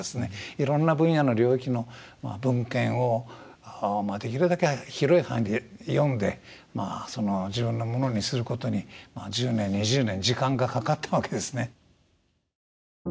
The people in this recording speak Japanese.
いろんな分野の領域の文献をできるだけ広い範囲で読んで自分のものにすることに１０年２０年時間がかかったわけですね。